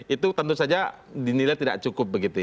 itu tentu saja dinilai tidak cukup